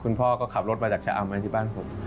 คุณพ่อก็ขับรถไปจากเฉาะมาที่บ้านผม